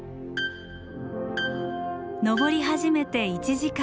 登り始めて１時間。